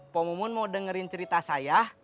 pak mumun mau dengerin cerita saya